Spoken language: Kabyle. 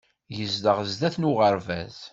Yezdeɣ sdat n uɣerbaz